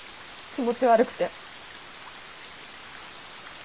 気持ち悪くて。